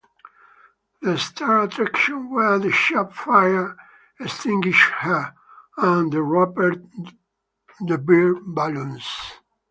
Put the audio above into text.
The start attractions were the Chubb fire extinguisher and the Rupert The Bear balloons.